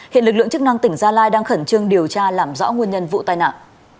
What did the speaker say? hiện lực lượng chức năng tỉnh gia lai đang khẩn trương điều tra làm rõ nguyên nhân vụ tai nạn